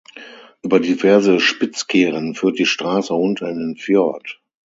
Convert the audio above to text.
Über diverse Spitzkehren führt die Straße runter in den Fjord.